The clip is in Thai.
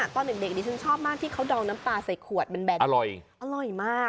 ตอนเด็กดิฉันชอบมากที่เขาดองน้ำปลาใส่ขวดแบนอร่อยมาก